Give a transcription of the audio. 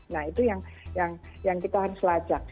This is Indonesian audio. nah itu yang kita harus lacak